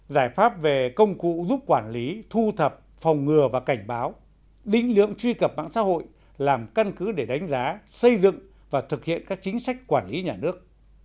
giải pháp về công cụ giúp quản lý thu thập phòng ngừa và cảnh báo đính lượng truy cập mạng xã hội làm căn cứ để đánh giá xây dựng và thực hiện các chính sách quản lý nhà nước